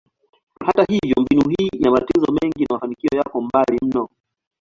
Hata hivyo, mbinu hii ina matatizo mengi na mafanikio yako mbali mno.